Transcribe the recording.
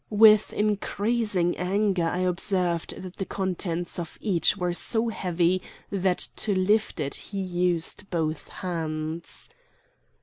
With increasing anger I observed that the contents of each were so heavy that to lift it he used both hands.